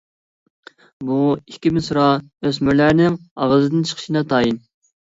بۇ ئىككى مىسرا ئۆسمۈرلەرنىڭ ئاغزىدىن چىقىشى ناتايىن.